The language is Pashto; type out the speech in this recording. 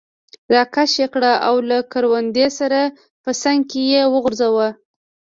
را کش یې کړ او له کروندې سره په څنګ کې یې وغورځاوه.